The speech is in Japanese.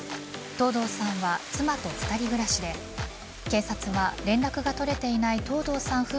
藤堂さんは妻と２人暮らしで警察は連絡が取れていない藤堂さん